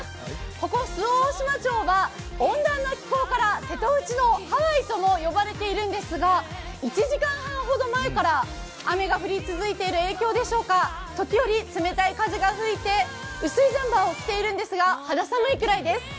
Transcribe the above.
ここ周防大島町は温暖な気候から瀬戸内のハワイとも呼ばれているんですが１時間ほど前から雨が降り続いている影響でしょうか時折冷たい風が吹いて薄いジャンパーを着ているんですが肌寒いくらいです。